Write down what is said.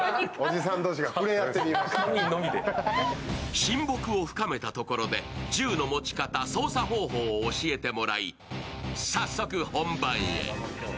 親睦を深めたところで銃の持ち方、操作方法を教えてもらい、早速本番へ。